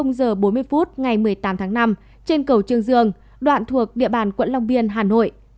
ngày một mươi tám tháng năm trên cầu trương dương đoạn thuộc địa bàn quận long biên hà nội